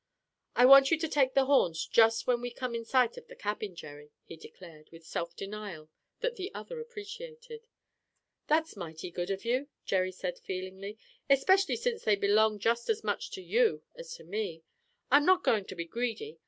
"I want you to take the horns just when we come in sight of the cabin, Jerry," he declared, with self denial that the other appreciated. "That's mighty good of you," Jerry said feelingly, "'specially since they belong just as much to you as to me. I'm not going to be greedy.